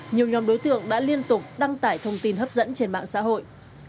nhiều nhóm đối tượng đã liên tục đăng tải thông tin hấp dẫn trên mạng xã hội